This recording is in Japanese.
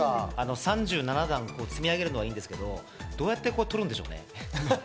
３７段積み上げるのはいいんですけど、どうやって取るんでしょうね。